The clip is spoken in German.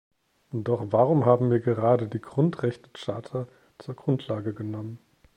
Doch warum haben wir gerade die Grundrechtecharta zur Grundlage genommen?